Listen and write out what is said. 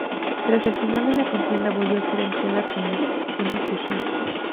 Tras el final de la contienda volvió a ser empleada como una prisión.